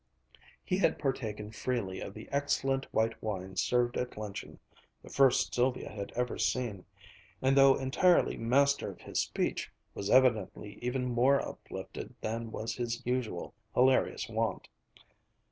He had partaken freely of the excellent white wine served at luncheon (the first Sylvia had ever seen), and though entirely master of his speech, was evidently even more uplifted than was his usual hilarious wont.